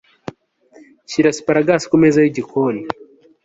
shyira 'sparagus kumeza yigikoni